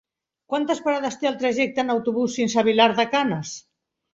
Quantes parades té el trajecte en autobús fins a Vilar de Canes?